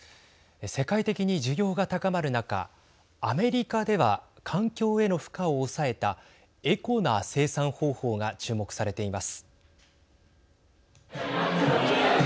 世界的に需要が高まる中アメリカでは環境への負荷を抑えたエコな生産方法が注目されています。